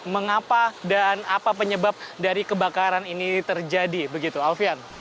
mengapa dan apa penyebab dari kebakaran ini terjadi begitu alfian